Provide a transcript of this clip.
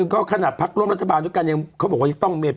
ก็ขณะพักร่วมรัฐบาลยกันยัง